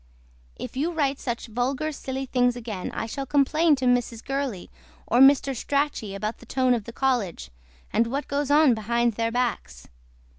IF YOU WRITE SUCH VULGAR SILLY THINGS AGAIN I SHALL COMPLAIN TO MRS. GURLEY OR MR. STRACHEY ABOUT THE TONE OF THE COLLEGE AND WHAT GOES ON BEHIND THEIR BACKS.